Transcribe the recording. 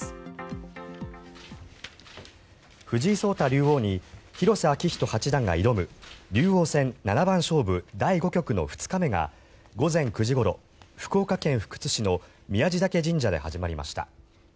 竜王に広瀬章人八段が挑む竜王戦七番勝負第５局の２日目が午前９時ごろ、福岡県福津市の宮地嶽神社で始まりました。